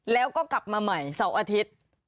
แล้วก็กลับมาใหม่เสาร์อาทิตย์